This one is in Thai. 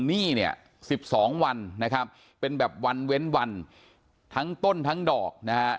หนี้เนี่ย๑๒วันนะครับเป็นแบบวันเว้นวันทั้งต้นทั้งดอกนะฮะ